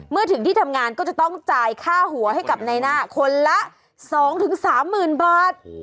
เมื่อถึงที่ทำงานก็จะต้องจ่ายค่าหัวให้กับนายหน้าคนละ๒๓๐๐๐บาท